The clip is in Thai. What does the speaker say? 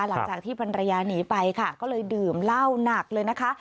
หลังจากที่ภรรยาหนีไปค่ะก็เลยดื่มเหล้าหนักเลยนะคะ